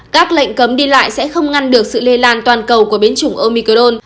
các lệnh cấm đi lại sẽ không ngăn được sự lây lan toàn cầu của biến chủng omicron